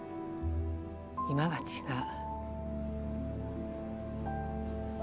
今は違う。